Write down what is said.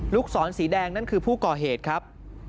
ศรสีแดงนั่นคือผู้ก่อเหตุครับ